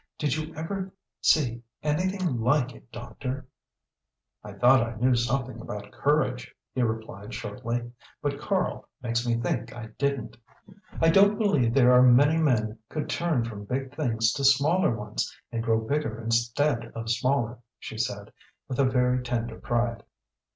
"Did you ever see anything like it, doctor?" "I thought I knew something about courage," he replied shortly, "but Karl makes me think I didn't." "I don't believe there are many men could turn from big things to smaller ones, and grow bigger instead of smaller," she said, with a very tender pride.